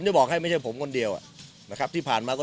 จะบอกให้ไม่ใช่ผมคนเดียวอ่ะนะครับที่ผ่านมาก็